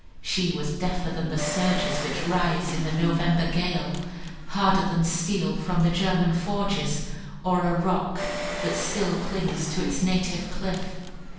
She was deafer than the surges which rise in the November gale; harder than steel from the German forges, or a rock that still clings to its native cliff.